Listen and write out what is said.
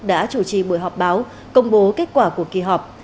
đã chủ trì buổi họp báo công bố kết quả của kỳ họp